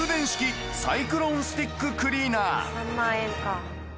３万円か。